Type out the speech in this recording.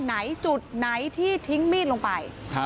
ไหนจุดไหนที่ทิ้งมีดลงไป